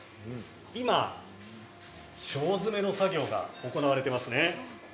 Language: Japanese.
今、腸詰めの作業が行われています。